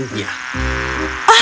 namun dia tidak menerima kebaikan